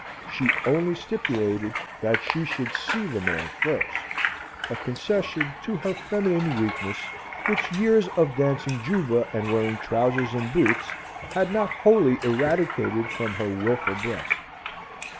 She only stipulated that she should see the man first, a concession to her feminine weakness which years of dancing Juba and wearing trousers and boots had not wholly eradicated from her wilful breast.